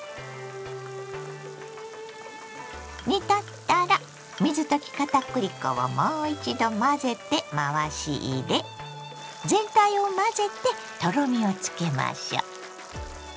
煮立ったら水溶き片栗粉をもう一度混ぜて回し入れ全体を混ぜてとろみをつけましょ。